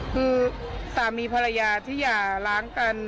คือสามีภรรยาที่อย่าล้างกัน